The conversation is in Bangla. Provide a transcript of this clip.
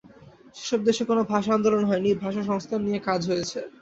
সেসব দেশে কোনো ভাষা আন্দোলন হয়নি, ভাষা সংস্কার নিয়ে কাজ হয়েছে।